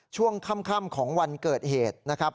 ช่วงค่ำของวันเกิดเหตุนะครับ